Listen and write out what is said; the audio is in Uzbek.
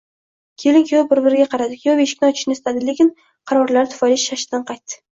Kelin-kuyov bir-biriga qaradi, kuyov eshikni ochishni istadi, lekin qarorlari tufayli shashtidan qaytdi